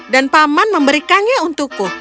dan paman memberikannya untukku